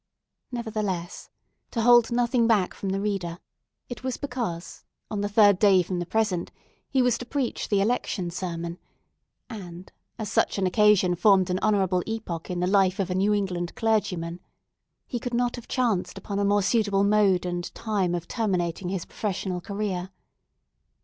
Nevertheless—to hold nothing back from the reader—it was because, on the third day from the present, he was to preach the Election Sermon; and, as such an occasion formed an honourable epoch in the life of a New England Clergyman, he could not have chanced upon a more suitable mode and time of terminating his professional career.